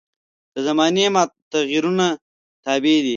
دا زماني متغیرونو تابع دي.